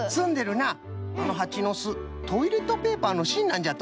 あのはちのすトイレットペーパーのしんなんじゃと。